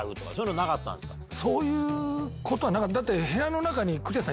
そういうことはなかった。